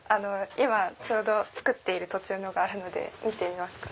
今作っている途中のがあるので見てみますか？